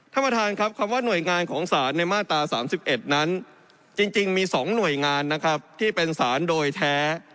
ท่านประธานครับคำว่าหน่วยงานของศาลในมาตรา๓๑นั้นจริงมี๒หน่วยงานนะครับที่เป็นสารโดยแท้